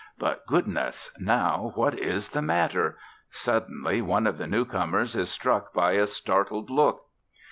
But goodness! Now what is the matter? Suddenly one of the newcomers is struck by a startled look.